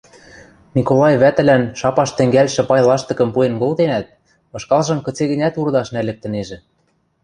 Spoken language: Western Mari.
Миколай вӓтӹлӓн шапаш тӹнгӓлшӹ пай лаштыкым пуэн колтенӓт, ышкалжым кыце-гӹнят урдаш нӓлӹктӹнежӹ...